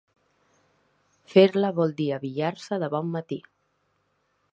Fer-la vol dir abillar-se de bon matí.